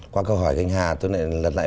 qua câu hỏi của anh hà tôi lại lật lại